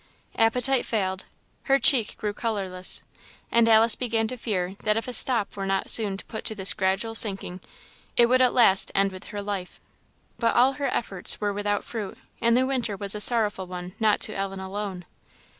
Appetite failed; her cheek grew colourless; and Alice began to fear that if a stop were not soon put to this gradual sinking, it would at last end with her life. But all her efforts were without fruit; and the winter was a sorrowful one not to Ellen alone.